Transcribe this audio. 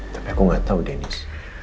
tapi aku gatau dennis